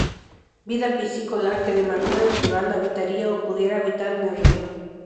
vida piscícola que de manera natural habitaría o pudiera habitar en el río